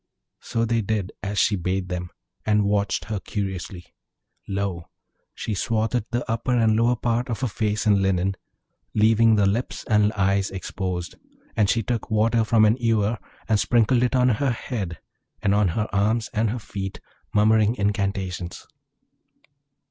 So they did as she bade them, and watched her curiously. Lo! she swathed the upper and lower part of her face in linen, leaving the lips and eyes exposed; and she took water from an ewer, and sprinkled it on her head, and on her arms and her feet, muttering incantations.